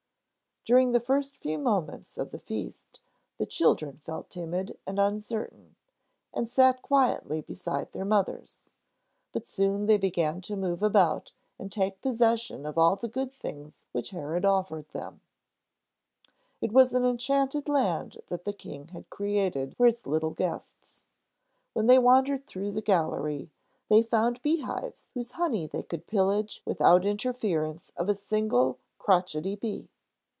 During the first few moments of the feast, the children felt timid and uncertain, and sat quietly beside their mothers. But soon they began to move about and take possession of all the good things which Herod offered them. It was an enchanted land that the King had created for his little guests. When they wandered through the gallery, they found bee hives whose honey they could pillage without the interference of a single crotchety bee.